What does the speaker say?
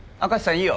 いいよ